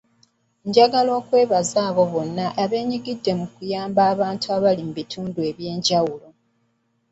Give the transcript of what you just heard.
Njagala okwebaza abo bonna ebenyigidde mu kuyamba abantu abali mu bitundu ebyo.